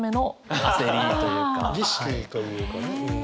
儀式というかねうん。